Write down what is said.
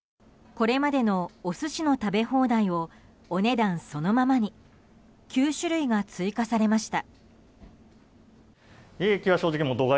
これまでのお寿司の食べ放題をお値段そのままに９種類が追加されました。